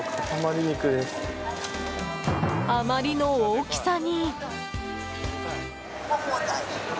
あまりの大きさに。